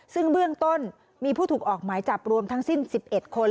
ซึ่งเบื้องต้นมีผู้ถูกออกหมายจับรวมทั้งสิ้น๑๑คน